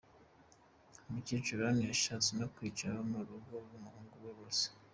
Umukecuru Anna yashatse no kwica abo mu rugo rw'umuhungu we bose.